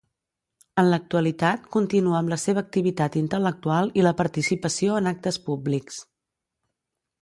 En l'actualitat continua amb la seva activitat intel·lectual i la participació en actes públics.